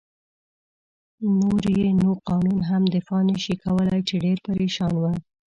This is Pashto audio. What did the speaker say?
نور يې نو قانون هم دفاع نه شي کولای، چې ډېر پرېشان و.